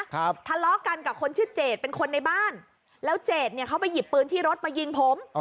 ทะเลาะกันกับคนชื่อเจดเป็นคนในบ้านแล้วเจดเนี่ยเขาไปหยิบปืนที่รถมายิงผม